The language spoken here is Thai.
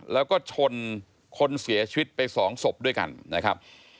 แล้วก็ชนคนเสียชีวิตไปสองศพด้วยกันนะครับ